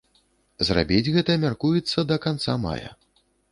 Зрабіць гэта мяркуецца да канца мая.